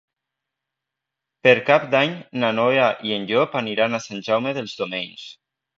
Per Cap d'Any na Noa i en Llop aniran a Sant Jaume dels Domenys.